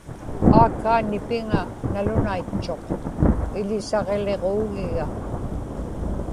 aakaa nipiŋa nalunaitchuq; iḷisaġiliġuugiga